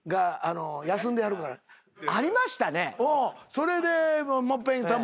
それで。